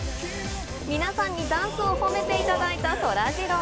皆さんにダンスを褒めていただいたそらジロー。